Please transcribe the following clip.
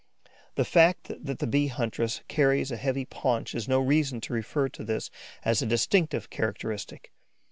The fact that the Bee huntress carries a heavy paunch is no reason to refer to this as a distinctive characteristic.